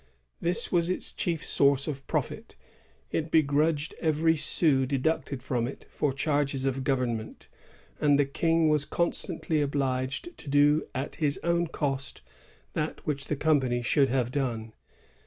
This was its chief source of profit; it begrudged every sou deducted from it for charges of government, and the King was constantly obliged to do at his own cost that which the company should have done.